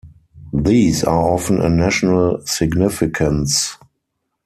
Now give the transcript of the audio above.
These are often of national significance.